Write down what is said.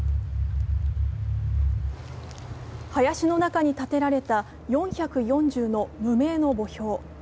林の中に立てられた４４０の無名の墓標。